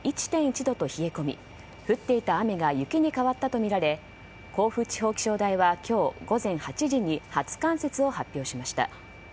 １．１度と冷え込み降っていた雨が雪に変わったとみられ甲府地方気象台は今日午前８時に初冠雪を発表しました。